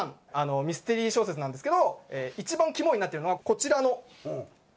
ミステリー小説なんですけど一番肝になってるのがこちらの文字。